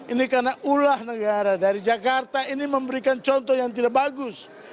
ini karena ulah negara dari jakarta ini memberikan contoh yang tidak bagus